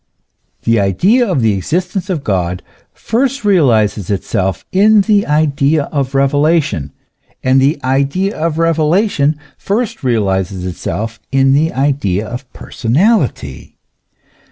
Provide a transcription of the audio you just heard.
The idea of the existence of God first realizes itself in the idea of revelation, and the idea of revelation first L 2 220 THE ESSENCE OF CHRISTIANITY. realizes itself in the idea of personality.